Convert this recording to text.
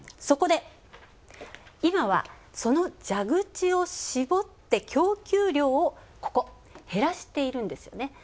そこで、今は、その蛇口を絞って供給量を減らしているんですよね。